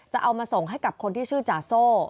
จะเอามาส่งให้กับคนที่ชื่อจาโซ่